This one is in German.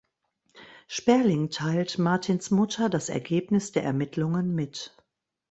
Sperling teilt Martins Mutter das Ergebnis der Ermittlungen mit.